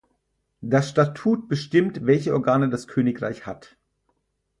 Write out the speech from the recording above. Das Statut bestimmt, welche Organe das Königreich hat.